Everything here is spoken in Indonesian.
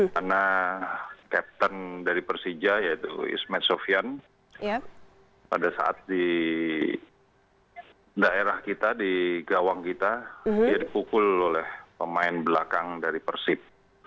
karena kapten dari persija yaitu ismet sofyan pada saat di daerah kita di gawang kita dia dipukul oleh pemain belakang dari persib